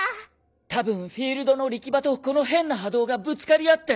たぶんフィールドの力場とこの変な波動がぶつかり合って。